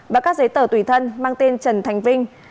và các giấy tờ tùy thân mang tên trần thành vinh